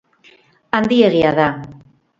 Handiegia da.